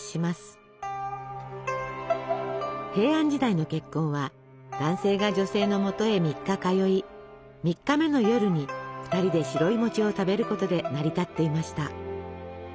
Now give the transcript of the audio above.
平安時代の結婚は男性が女性のもとへ３日通い３日目の夜に２人で白いを食べることで成り立っていました。